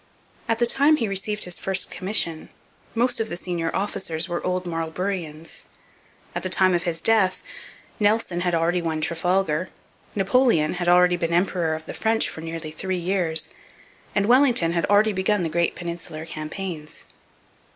At the time he received his first commission most of the senior officers were old Marlburians. At the time of his death Nelson had already won Trafalgar, Napoleon had already been emperor of the French for nearly three years, and Wellington had already begun the great Peninsular campaigns.